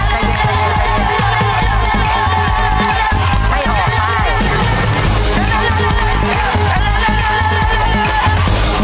ให้ออกประกาศ